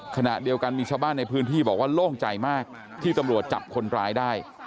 ขณะเดียวกันมีชาวบ้านในพื้นที่บอกว่าโล่งใจมากที่ตำรวจจับคนร้ายได้